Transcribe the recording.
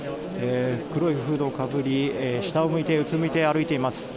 黒いフードをかぶり下を向いてうつむいて歩いています。